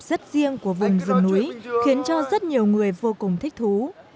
rất riêng của vùng rừng núi khiến cho rất nhiều người vô cùng thích thú